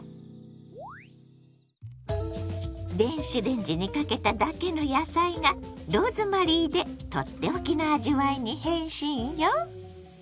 電子レンジにかけただけの野菜がローズマリーでとっておきの味わいに変身よ。